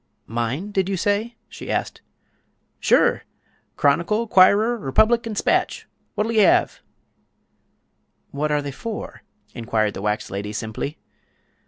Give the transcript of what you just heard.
"Mine, did you say?" she asked. "Sure! Chronicle, 'Quirer, R'public 'n' 'Spatch! Wot'll ye 'ave?" "What are they for?" inquired the wax lady, simply.